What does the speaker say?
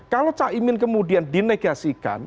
kalau caimin kemudian dinegasikan